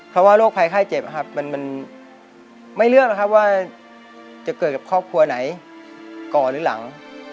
เพราะว่าโรคภัยไข้เจ็บมันไม่เลือกนะครับว่าจะเกิดกับครอบครัวไหนก่อนหรือหลัง